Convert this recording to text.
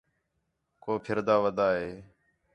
کُو پِھردا ودا ہے